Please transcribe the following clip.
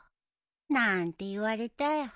なんて言われたよ。